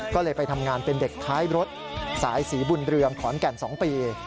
ก็เลยไปทำงานเป็นเด็กท้ายรถสายศรีบุญเรืองขอนแก่น๒ปี